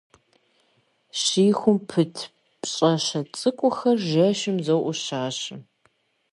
Щихум пыт пщӏащэ цӏыкӏухэр жэщым зоӏущащэ.